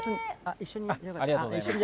一緒に。